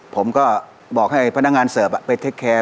ผมก็บอกให้พนักงานเสิร์ฟไปเทคแคร์